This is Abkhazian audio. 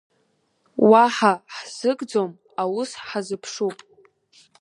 Уаҳа ҳзыкӡом, аус ҳазԥшуп.